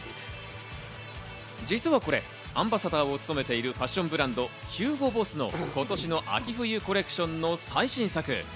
実はこれ、アンバサダーを務めているファッションブランドＨＵＧＯＢＯＳＳの今年の秋冬コレクションの最新作。